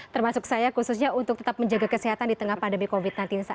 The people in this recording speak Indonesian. termasuk saya khususnya untuk tetap menjaga kesehatan di tengah pandemi covid sembilan belas saat ini